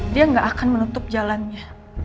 dia gak akan menutup jalannya